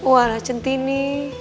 wah lah centini